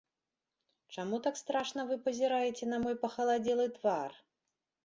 Чаму так страшна вы пазіраеце на мой пахаладзелы твар?